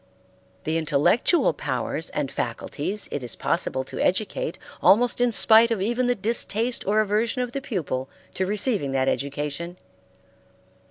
The intellectual powers and faculties it is possible to educate almost in spite of even the distaste or aversion of the pupil to receiving that education.